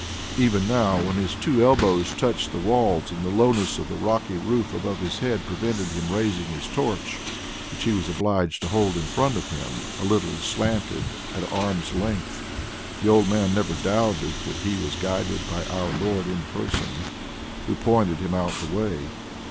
Even now when his two elbows touched the walls, and the lowness of the rocky roof above his head prevented him raising his torch which he was obliged to hold in front of him a little slanted and at arm's length, the old man never doubted that he was guided by our Lord in person, Who pointed him out the way.